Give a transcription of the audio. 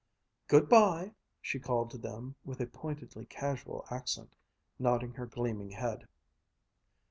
"Good bye," she called to them with a pointedly casual accent, nodding her gleaming head.